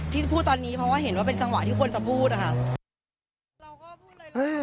ที่พูดตอนนี้เพราะว่าเห็นว่าเป็นจังหวะที่คนจะพูดอะค่ะ